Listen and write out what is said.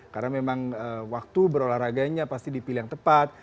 karena memang waktu berolahraganya pasti dipilih yang tepat